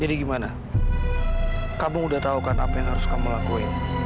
jadi gimana kamu udah tahu kan apa yang harus kamu lakuin